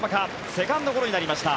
セカンドゴロになりました。